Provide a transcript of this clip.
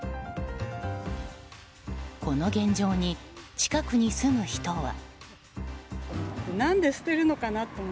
この現状に、近くに住む人は。